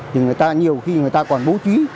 thì người ta nhiều khi người ta còn bố trí